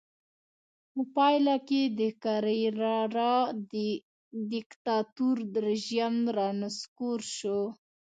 په پایله کې د کرېرارا دیکتاتور رژیم رانسکور شو.